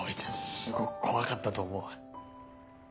すごく怖かったと思う。